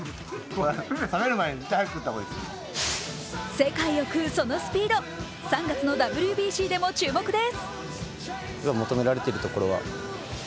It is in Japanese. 世界を食うそのスピード、３月のＷＢＣでも注目です。